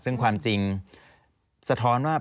ซึ่งความจริงสะท้อนว่า